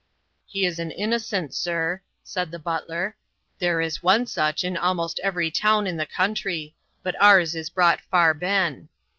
'He is an innocent, sir,' said the butler; 'there is one such in almost every town in the country, but ours is brought far ben.